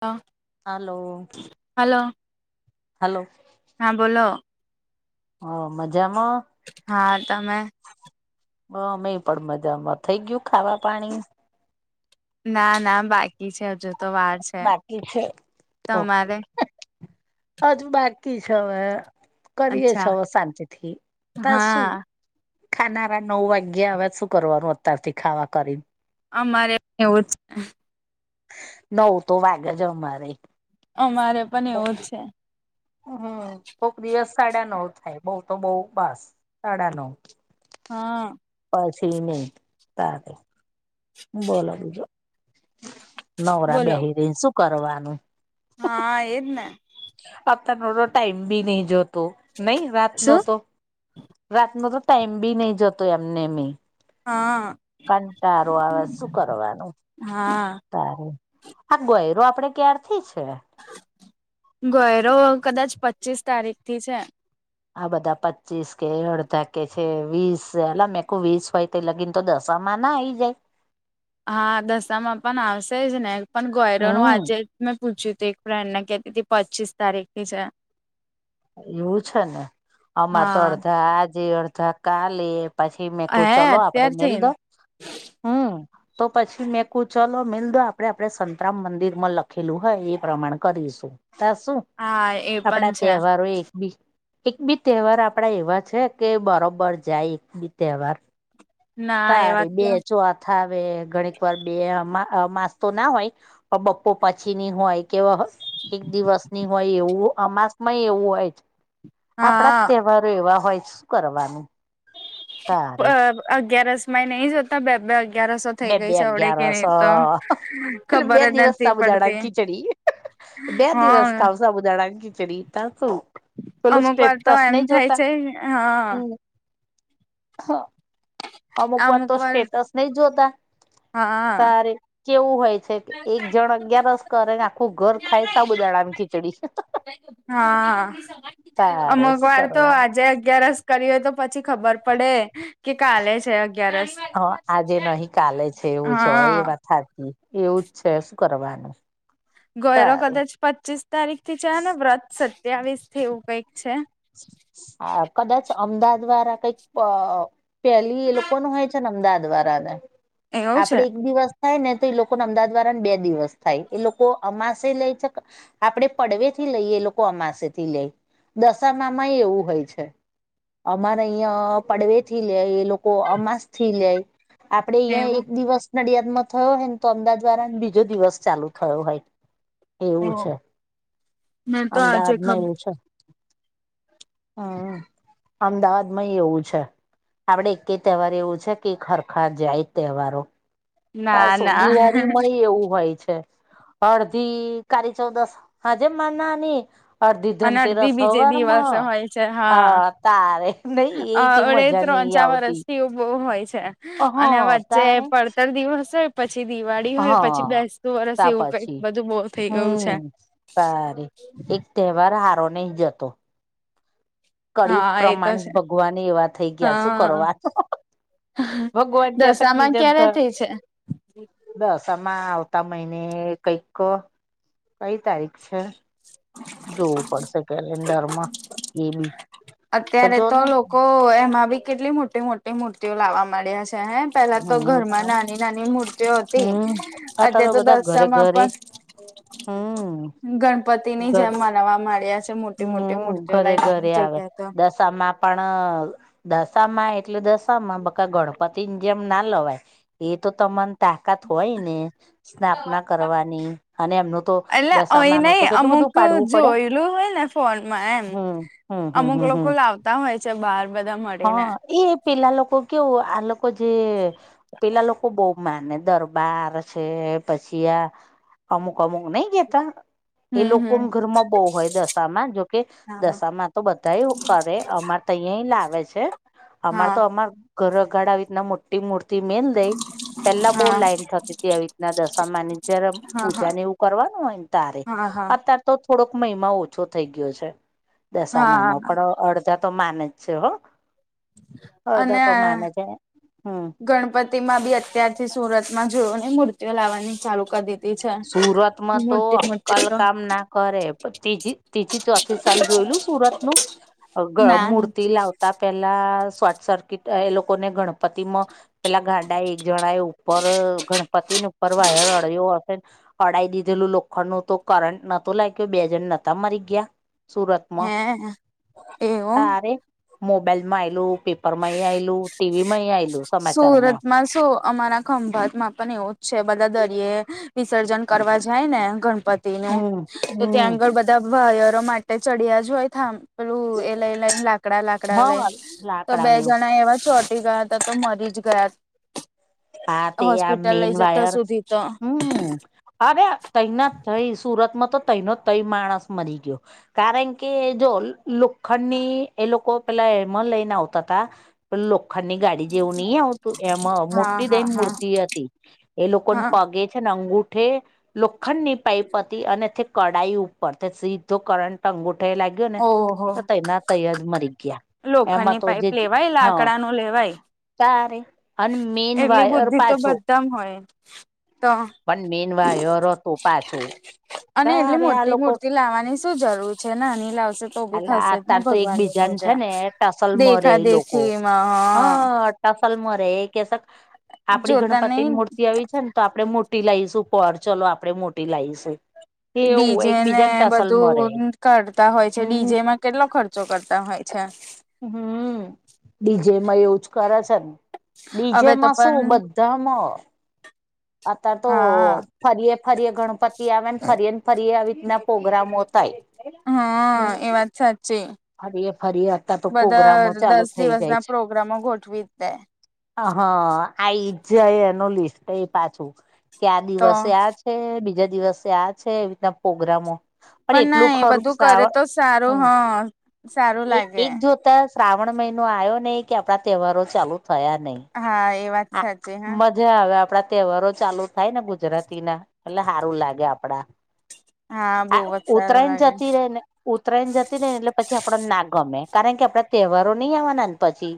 હા. Hello. Hello. Hello. હા બોલો. હો મજામાં? હા તમે? હા, મેં પણ મજામાં. થઈ ગયું ખાવા પાણી? ના ના બાકી છે હજુ તો વાર છે. બાકી છે તમારે? હજુ બાકી છે હવે. કરીએ છો અચ્છા અવે શાંતિ થી ત શું હા ખાનારા નવ વાગ્યા હવે શું કરવાનું અત્યારથી ખાવા કરીન આમારે એવું જ છે. નવ તો વાગે જ અમારે. અમારે પન એવું જ છે. હમ્મ, કોક દિવસ સાડા નવ થાય બઉ તો બઉ બસ સાડા નવ. હા. પછી નહીં તાતે. બોલો બીજું નવરા બોલો બેહેરીને શું કરવાનું? હા એજ ને. આંતર તો ટાઈમ બી નહી જોતો નહી રાત નો શું તો? રાતનો તો ટાઈમ બી નઈ જતો એમને એમ. હા કંટારો આવે શું કરવાનું. હા તારી આ ગોયરો આપડે ક્યારથી છે? ગયરો કદાચ પચીસ તારીખ થી છે. આ બધા પચીસ કે અડધા કે છે વીસ એલા મેં કો વીસ હોય તે લગીન તો દશામાં ના આઈ જાય? હા, દશામાં પણ આવશે જ ને પણ ગોયરોનુ હમ આજે મેં પૂછ્યું હતું એક ફ્રેન્ડને કેતી તી પચીસ તારીખ થી છે. એવું છે ને અમાર તો હા અડધા આજે અડધા કાલે પછી મેં કો હે ચલો આપડે મેલ અત્યારથી દે હમ્મ. તો પછી મેં કુ ચલો મીલ દો આપડે આપડે સંતરામ મંદિર માં લખેલું હોય એ પ્રમાણ કરીશું. તા શું હા એ પણ આપડા છે તહેવારોય એક બી એક બી તેહવાર આપડા એવા છે કે બરોબર જાય એક બી તેહવાર. ના એ વાત તારી તો બે ચોથ આવે ઘણીક વાર બે અમા અમાંસ તો ના હોય પણ બપો પછીની હોય કે વ્હસ એક દિવસ ની હોય એવું અમાસમાંય એવું હોય અજ આપડા હા તહેવારો એવા હોય છે શું કરવાનું. તારે બ અગિયારસ માઈ નહી જતા બેબે અગ ગયારસો થઈ બે ગઈ બે સે અવડે કે અગિયારસ નહિતો એટલે ખબર બે જ દિવસ નથી સાબુદાણા પડતી. ખીચડી બે દિવસ હા ખાવ સા બુદાડા કીચડી ત્યા શું. પેલું અમુક વાર તો સ્ટેપતસ એમ નઈ થાય જોતા. છે હા હમ્મ, હા. અમુક વાર તો સ્ટેટસ નઈ જોતા. હા. તારે કેવું હોય છે કે એક જણ અગિયારસ કરેને આખું ઘર ખાય સાબુ દાડા ની ખીચડી. હા, તારે અમુક શું વાર તો કરવાનું આજે અગિયારસ કરી હોય તો પછી ખબર પડે કે કાલે છે અગિયારસ હ હા હાતી એવું જ છે શું કરવાનું? ગયરો તારે કદાચ પચીસ તારીખ થી છે, વ્રત સત્યાવીસ થી એવું કંઈક છે. સારૂં કદાચ અમદાવાદ વારા કઈક પ અ પેલી એ લોકો નું હોય છે ને અમદાવાદ વારાને એવું છે આપડે એક દિવસ થાય ને તો એ લોકોને અમદાદ વારાને બે દિવસ થાય એ લોકો અમાસેય લેય છે ક આપડે પડવેથી લઈએ એ લોકો અમાસે થી લેઈ દશામામાંય એવું હોય છે. અમારે અઈયા પડવે થી લેય એ લોકો અમાસ થી લેય આપડે અયા એવું એક દિવસ નડિયાદમાં થયો હોયને તો અમદાદ વારાને બીજો દિવસ ચાલુ થયો હોય ઓ એવું છે મેં તો આજે ખબર અમદાવાદમાં એવું છે. હ અમદાવાદમાંય એવું છે. આપડે એકય તેહવાર એવું છે કે હરખા જાય તહેવારો તાર ના શું ના દિવારી માયે એવું હોય છે. અડધી કારી ચૌદસ હાજે માના ની અરધી અને અડધી ધંતેરસ બીજે દિવસે હવારમાં હોય અ તારે નઈ એ અ તે અડે મજા ત્રણ નઈ ચા વરષ આવતી થી બઉ હોય છે. હ અને વચ્ચે તારે પડતર દિવસ હોય પછી દિવાળી હોય હા પછી બેસતું વરસ તા એવું કઈક પછી બધું બોઉ થઈ ગયું હમ છે. તારે એક તહેવાર હારો નઈ જતો કળયુગ હા એ તો છે પ્રમાણે ભગવાનેય એવા થઈ ગયા શું હા કરવાનું? ભગવાન કે છે કે દશામાં ક્યારે [unintelligible] થઈ છે દસામાં આવતા મહિને કઈક કઈ તારીખ છે જોવું પડશે કેલેન્ડરમાં એ બી અત્યારે જો તો ને લોકો એમાં બી કેટલી મોટી મોટી મૂર્તિઓ લાવવા માંડ્યા સે હે પેલા તો ઘરમાં હમ નાની નાની મૂર્તિઓ અતી હમ અતા અતે તો દસામાં પન હ ગણપતિ ની જેમ મનાવા માંડ્યા છે મોટી મોટી મૂર્તિઓ લઈને જગ્યા તો તમાં પણ દશામાં એટલે દશામાં બકા ગણપતિન જેમ ના લવાય એ તો તમન તાકાત હોય ને સ્થાપના કરવાની અને એમનું તો એટલે દશામા નું તો કેટલું બધું પાડવું પડે એટલું હોય ને ફોન માં એમ હમ હમ હમ અમુક હમ લોકો હમ. લાવતા હોય છે બહાર બધા મળીને હા એ પેલા લોકો કેવું આલોકો જે પેલા લોકો બહુ માને દરબાર છે પછી આ અમુક અમુક નઈ કેતા એ હમ લોકો હમ ઘરમાં બહુ હોય દસ માં જોકે હા દશામાં તો બધા કરે અમારે તયે લાવે છે અમાર હા તો અમાર ઘર આગાડ આવી રીતના મોટી મૂર્તિ મેનને ઈ પેલા બહુ હા લાઈન થતી હતી આવી રીતના દશામાંની જ્યારે હા હા પૂજા ને એવું કરવાનું હોય ને તારે હા હા અત્યાર તો થોડોક મહિમા ઓછો થઈ ગયો છે દસામાનો હા પણ અડધ અર્ધા તો માને જ છે હો અર્ધા અને તો માને છે હમ ગણપતિ બી અત્યારથી સુરત માં જોઓ ની મૂર્તિઓ લાવવાની ચાલુ કરી દીધી છે સુરતમાં તો મોટી અક્કલ મોટી તો કામ ના કરે પણ તીજી તીજી ચોથી સાલ જોયલું સુરત નું ના મૂર્તિ નથી લાવતા પેલા સાત સાત ફીટ એ લોકોને ગણપતિ માં પેલા ગાડા એક જણા એ ઉપર ગણપતિની ઉપર વાયર અડ્યો અડાી દીધેલું લોખડું તો કરંટ નતું લાગ્યું બે જણ નહતા મરી ગયા સુરતમાં હે એવું તારે મોબાઈલ માં આલું પેપર માં આલું ટીવી માં આયલું સમાચારમાં સુરતમાં શું અમારા ખંભાત માં પણ એવું જ છે બધા દરિયે વિસર્જન કરવા જાય ને ગણપતિ ન હમ તો હમ ત્યાં આગળ બધા વાયરો માટે ચડ્યા જ હોય થબલે પેલું એ લઈ લઈને લાકડા લાકડા લઈ હા તો લાકડા બે ને એવું જણા એવા ચોટી ગયા હતા તો મરી જ ગયા હા તે આ હોસ્પિટલ મેન લઈ જતા વાયર સુધી તો હમ અરે તના થય સુરતમાં તો તનો તય માણસ મરી ગયો કારણ કે જો લોખંડ ની એ લોકો પેલા એમાં લઈને આવતા હતા પણ લો લોકોખની ગાડી જેવું નહી આવતું એમાં હા મોટી દઈ હા ને હા મૂર્તિ હતી એ લોકો હા પા ગે છે અંગુઠે લોખંડ ની પાઈપ હતી અને તે કડાાઈ ઉપર તે સીધો કરંટ ટ અંગુઠ લાગ્યો ગયોને તો ત ના તૈજ મરી ગયા લોખંડ એમાં ની તો પાઈપ જે લેવાય હા લાકડા ન લેવાય તારે અને મેન વાયર પાછો એકદમ હોય તો પણ મીનવાયો ર તો પાછું અને એટલી તારે આ મોટી લોકો મૂર્તિ લાવવાની શું જરૂર છે નિનીલા તો બી અલા થશે જ ને અતાર તો ભગવાન ની એકબીજાને છે પૂજા ને ટસલમાં રે દેખા ઈ લોકો દેખી એમાં હ હા ટસલમાં રે એ કે શક આપડી જોતા નહી ગણપતિની મૂર્તિ આવી છે ને તો આપડે મોટી લાવશું પર ચલો આપડે મોટી લાવશું ડીજે ને રે બધું કરતા હોય છે હમ ડીજેમાં કેટલો ખર્ચો કરતા હોય છે હમ ડીજેમાં એવું જ કરે છે ને હવે તો ડીજેમાં શું પણ બધામાં અતા તો હા ફરી ફરીએ ગણપતિ આવે ને ફરી ને ફરી આવી રીતના પ્રગ્રામો થાય હા હમ એ વાત સાચી ફરીએ ફરીએ અતાર તો બધા પ્રોગ્રામો ચાલુ દસ થઈ દિવસ જાય છે ના પ્રોગ્રામો ગોઠવી જ દે હા આ ઈજ એ એનોલિસ્ટ એ પાછું ક્યા તો દિવસે આજ બીજા દિવસે આ છે એવી રીતના પ્રગ્રામો પણ ના એટલું એ ખરું બધું સાાવ કરે તો સારું હમ હ સારું એ લાગે એક જોતા શ્રાવણ મહિનો આવ્યો ને કે આપડા તહેવારો ચાલુ થયા નહી. હા એ વાત સાચી હા. હવે આપડા તહેવારો ચાલુ થાય ને ગુજરાતી ના એટલે સારું લાગે આપડા બહુ હા જ સારું ઉતરાયણ લાગે જતી રે ને ઉત્તરાયને જતી ને એટલે પછી આપડ ના ગમે કારણ કે આપડા તહેવારો નહી આવવાના પછી.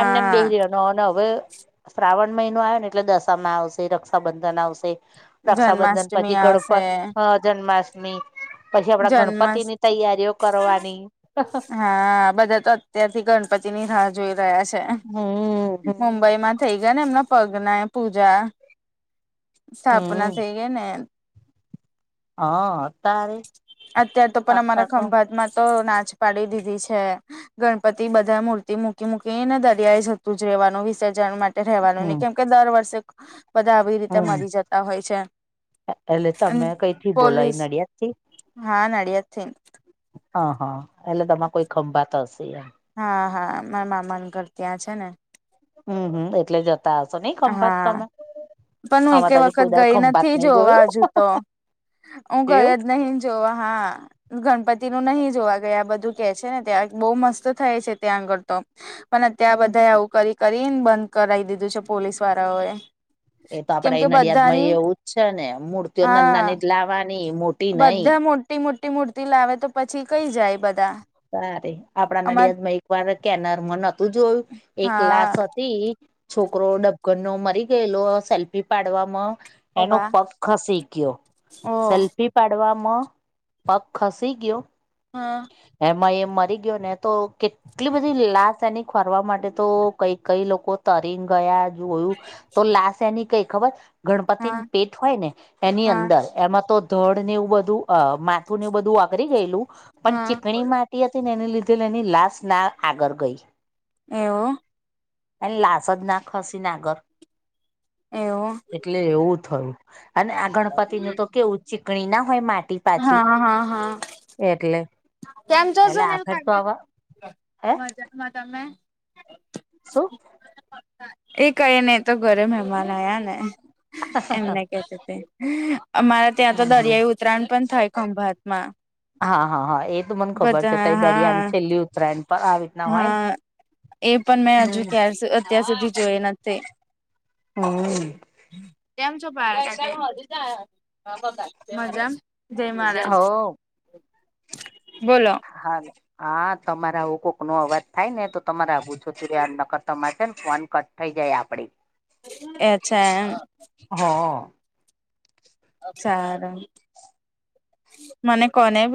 એમ નમ બેહેરીવાનુ ન અને હવે શ્રાવણ મહિનો આવેને એટલે દશામાં આવશે રક્ષાબંધન આવશે રક્ષાબંધન જન્માષ્ટમી પછી આવશે ગણપતી જન્માષ્ટમી પછી આપણા જન્મસ ગણપતિની તૈયારીઓ કરવાની હા બધા તો અત્યારથી ગણપતિ ની રાહ જોઈ રહ્યા છે, હમ હમ મબઈ બઈમાં થઈ ગયા ને એમના પગના પૂજા સ્થાપના હમ થઈ ગઈ ને હા તારે અત્યાર તો પણ અમારા ખંભાત માં તો નાચ પાડી દીધી છે. ગણપતિ બધા મૂર્તિ મૂકી મૂકીને દરિયાઈ જતું જ રહેવાનું વિસર્જન માટે રહેવાનું નહી હમ કેમ કે દર વર્ષે બધા આવી રીતે હમ મરી જતા હોય છે, એટલે અન તમે કઈથી બોલો એ પોલીસ નડિયાદ થી હા નડ્યાતન હા હા એટલે તમારે કોઈ ખંભાત હશે હા હા મારા મામાન ઘર ત્યાં છે ને હમ્મ હમ્મ એટલે જતા હશો નહ ખંભાત હા તમે પણ હું એક આમાં તો હજી વખત કોઈ દાડે ગઈ ખંભાત નથી નઈ જોવા જોયું હજુ તો હું ગયો એવું જ નહી જો હા ગણપતિ નું નહી જોવા ગયા આ બધું કે છે ને ત્યાં બહુ મસ્ત થાય છે, ત્યાં આગળ તો પણ અત્યાં હમ બધા આવું કરી કરીને બંધ કરાવ દીધું છે, પોલીસ વાળાઓ એ એ તો આપડે એ નડિયાદ માં એવું જ છેને, મૂર્તિઓ હા નંદાની જ લાવવાની મોટ બધા મોટી મોટી મૂર્તિ લાવે તો પછી કઈ જાય બધા સારે આપડા અમાર નડિયાદ માં એક વાર કેનર માં નહતું જોયું, એક હા લાશ હતી છોકરો ડબગનનો મરી ગયેલો સેલ્ફી પાડવામાં ઓ એનો બા પગ ખસી ગયો, ઓ સેલ્ફી પાડવામાં, પગ ખસી ગયો હા એમાં એ મરી ગયો ને તો કેટલી બધી લાશ એની ફરવા માટે તો કઈ કઈ લોકો તરી ગયા જોયુ તો લાશ એની કઈ ખબર હા ગણપતિની પેટ હોય ને એની હા અંદર એમાં તો ધડ ને એવું બધું અ માથું એવું બધું વાગરી ગયેલૂ હા ઘણી માટી હતી ને એને લીધે એની લાશ ના આગળ ગઈ એવ એ લાશ જ ના ખસીને આગર, એવું એટલે એવુ થયું, અને આ ગણપતિ નું તો કેવું ચીકણી ના હોય માટી પાછી હા હા હા. એટલે કેમ છો એટલે સુનીલ આખર તો કાકા, આવા હે મજા મા તમે શું એ કઈ નહ તો ઘરે મહેમાન આયા ને એમને કેતી હતી અમારા ત્યાં તો હમ દરિયાઈ ઉતરાયણ પણ થાય, ખંભાતમા હા હા હા એ તો મને ખબર છે, તો એ દરિયાન હા છેલ્લી ઉત્તરાયણ પર આવે હા એ પણ મેં હજુ ક અત્યાર સુધી જોઈ નથી. હમ્મ ત્યાં છો બાર મજા [unintelligible] જય મહારાજ હો બોલો. હા હા તમારા આવું કોક નો અવાજ થાય ને તો તમારા આઘુ જતું રેવાનું ન કર તો તમારી. ફોન કટ થઈ જાય આપડે. એ અચ્છા એમ હ. સાર મને કોને